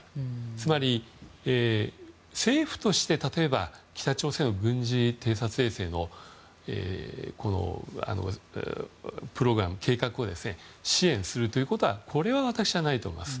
つまり政府として例えば北朝鮮の軍事偵察衛星のプログラム、計画を支援するということはこれは私はないと思います。